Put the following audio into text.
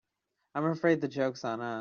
I'm afraid the joke's on us.